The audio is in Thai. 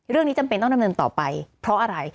จำเป็นต้องดำเนินต่อไปเพราะอะไร